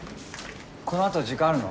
このあと時間あるの？